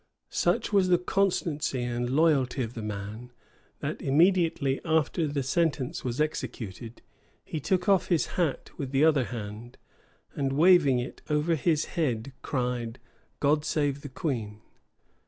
Such was the constancy and loyalty of the man, that immediately after the sentence was executed, he took off his hat with his other hand, and waving it over his head, cried, God save the queen.